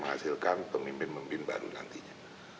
menghasilkan pemimpin pemimpin baru nantinya